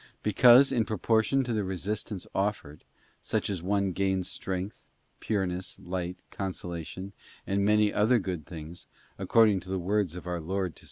Because, in proportion to the resistance offered, such an one gains strength, pureness, light, consolation, and many other good things, according to the words of our Lord to S.